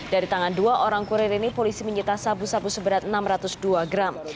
dari tangan dua orang kurir ini polisi menyita sabu sabu seberat enam ratus dua gram